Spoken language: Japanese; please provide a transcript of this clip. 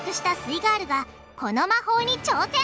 イガールがこの魔法に挑戦！